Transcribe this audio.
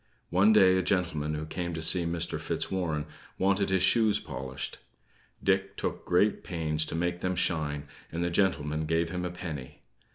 One day, a gentleman who came to see Mr. Fitzwarren wanted his shoes polished; Dick took great pains to make them shine, and the gentleman gave him a penny.